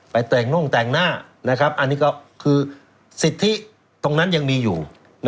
แต่งน่งแต่งหน้าอันนี้ก็คือสิทธิตรงนั้นยังมีอยู่